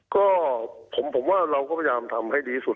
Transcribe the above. ก็ผมว่าเราก็พยายามทำให้ดีสุด